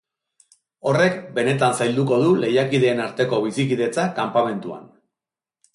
Horrek benetan zailduko du lehiakideen arteko bizikidetza kanpamentuan.